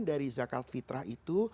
dari zakat fitrah itu